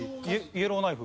イエローナイフ。